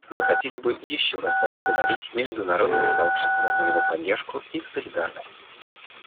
Мы хотели бы еще раз поблагодарить международное сообщество за его поддержку и солидарность.